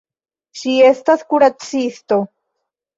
Ŝi estas kuracisto.